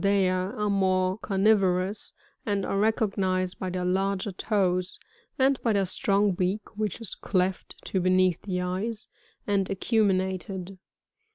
The Herons, — Ardea^ — are more carnivorous, and are recognised by their larger toes, and by their strong beak which is cJeft to beneath the eyes, and acuminated.